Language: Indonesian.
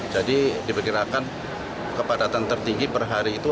jadi diperkirakan kepadatan tertinggi per hari itu